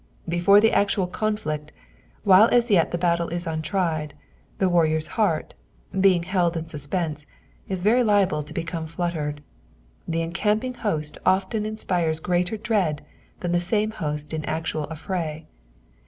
Before the actual conflict, while BS yet the battle is untried, the warrior's heart, being held in suspense, is very liable to become fluttered. The encamping host often Inspires greater dread than the same host in actual affray.